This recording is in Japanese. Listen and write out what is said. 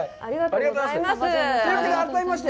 ありがとうございます。